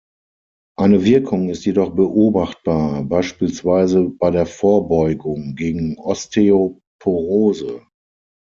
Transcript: Eine Wirkung ist jedoch beobachtbar, beispielsweise bei der Vorbeugung gegen Osteoporose.